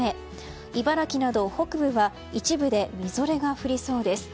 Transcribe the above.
茨城など北部は一部でみぞれが降りそうです。